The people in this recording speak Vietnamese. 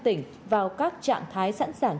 tỉnh vào các trạng thái sẵn sàng